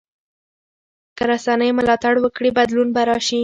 که رسنۍ ملاتړ وکړي بدلون به راشي.